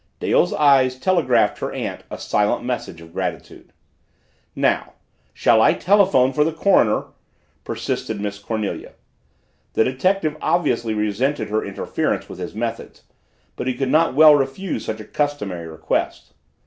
Dale's eyes telegraphed her aunt a silent message of gratitude. "Now shall I telephone for the coroner?" persisted Miss Cornelia. The detective obviously resented her interference with his methods but he could not well refuse such a customary request.